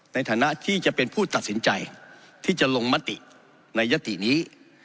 ในฐานะที่จะเป็นผู้ตัดสินใจที่จะลงมติในยตินี้